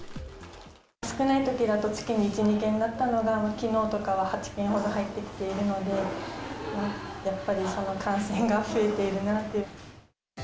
少ないときだと月に１、２件だったのが、きのうとかは８件ほど入ってきているので、やっぱり感染が増えているなって。